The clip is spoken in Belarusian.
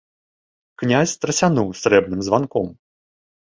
Князь страсянуў срэбным званком.